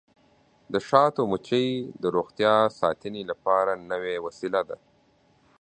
د شاتو مچۍ د روغتیا ساتنې لپاره نوې وسیله ده.